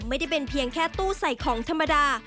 ไม่ได้เป็นเพียงแค่ตู้ใส่ของธรรมดา